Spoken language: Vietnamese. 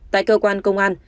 tại cơ quan công an